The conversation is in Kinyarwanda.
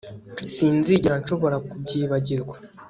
Sinzigera nshobora kubyibagirwa